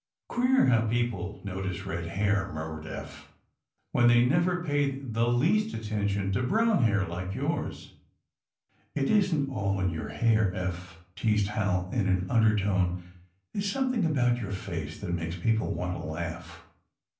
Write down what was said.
^^ Queer how people notice red hair," mur mured Eph, *^when they never pay the least at tention to brown hair like yours. '' '*It isn't all in your hair, Eph," teased Hal, in an undertone. There is something about your face that makes people want to laugh.